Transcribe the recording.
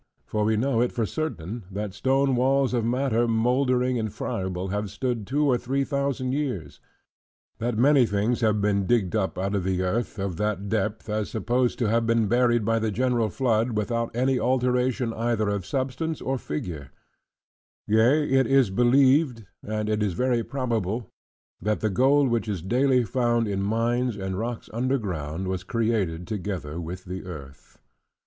For we know it for certain, that stone walls, of matter mouldering and friable, have stood two, or three thousand years; that many things have been digged up out of the earth, of that depth, as supposed to have been buried by the general flood; without any alteration either of substance or figure: yea it is believed, and it is very probable, that the gold which is daily found in mines, and rocks, under ground, was created together with the earth.